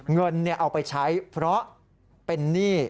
เงินเอาไปใช้เพราะเป็นหนี้